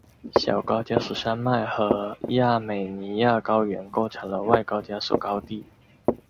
小高加索山脉和亚美尼亚高原构成了外高加索高地。